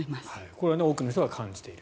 これは多くの人が感じている。